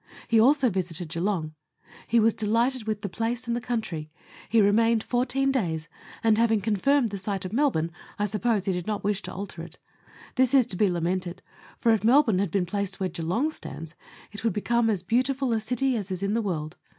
He also visited Geelong. He was delighted with the place and country ; he remained fourteen days, and having confirmed the site of Melbourne, I suppose he did not wish to alter it. This is to be lamented, for if Melbourne had been placed where Geelong stands, it would become as beauti ful a city as is in the world.